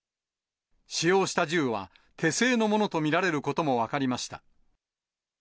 使用した銃は手製のものと見られることも分かりました。